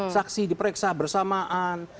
saksi diperiksa bersamaan